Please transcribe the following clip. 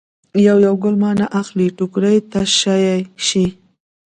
یو یو ګل مانه اخلي ټوکرۍ تشه شي.